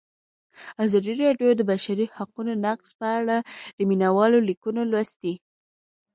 ازادي راډیو د د بشري حقونو نقض په اړه د مینه والو لیکونه لوستي.